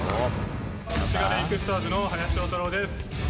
滋賀レイクスターズの林翔太郎です。